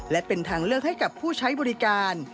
และเป็นทางเลือกให้กับผู้ใช้บริการ